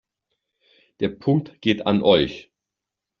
Der Punkt geht an euch.